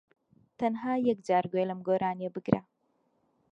تەنھا یەکجار گوێ لەم گۆرانیە بگرە